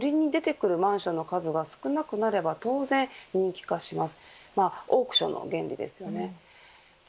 つまり売りに出てくるマンションの数は少なくなれば当然人気化します。